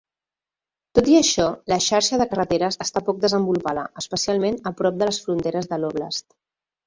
Tot i això, la xarxa de carreteres està poc desenvolupada, especialment a prop de les fronteres de l'óblast.